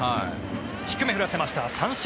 低め、振らせました。